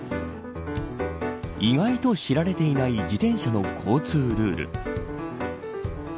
意外と知られていない自転車の交通ルール。